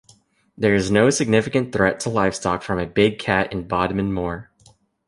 There is no significant threat to livestock from a 'big cat' in Bodmin Moor.